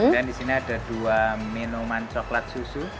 dan disini ada dua minuman coklat susu